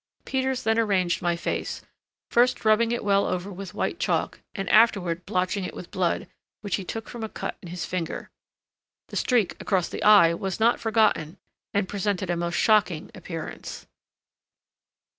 Peters then arranged my face, first rubbing it well over with white chalk, and afterward blotching it with blood, which he took from a cut in his finger. The streak across the eye was not forgotten and presented a most shocking appearance.